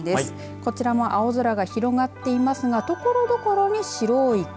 こちらも青空が広がっていますがところどころに白い雲。